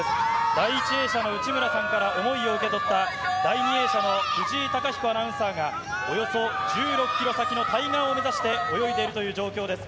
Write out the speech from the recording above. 第１泳者の内村さんから思いを受け取った、第２泳者の藤井貴彦アナウンサーが、およそ１６キロ先の対岸を目指して、泳いでいるという状況です。